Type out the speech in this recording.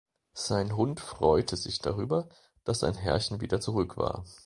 Sein Hund freute sich darüber, dass sein Herrchen wieder zurück war.